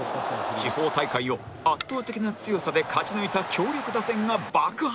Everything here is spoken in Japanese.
地方大会を圧倒的な強さで勝ち抜いた強力打線が爆発